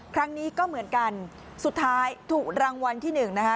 ครั้งนี้ก็เหมือนกันสุดท้ายถูกรางวัลที่หนึ่งนะคะ